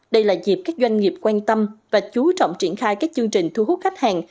đây là dịp các doanh nghiệp quan tâm và chú trọng triển khai các chương trình thu hút khách hàng